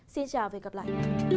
xin chào và hẹn gặp lại